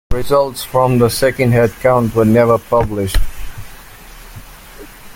Results from the second head count were never published.